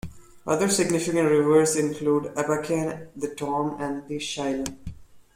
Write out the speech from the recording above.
Other significant rivers include the Abakan, the Tom, and the Chulym.